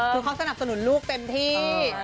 คือเขาสนับสนุนลูกเต็มที่